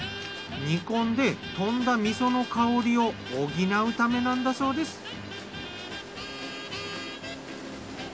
煮込んでとんだ味噌の香りを補うためなんだそうです。